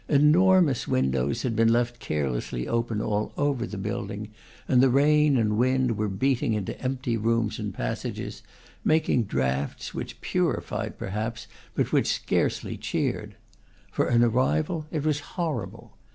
Enormous windows had been left carelessly open all over the building, and the rain and wind were beating into empty rooms and passages; making draughts which purified, perhaps, but which scarcely cheered. For an arrival, it was horrible.